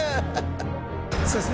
そうですね。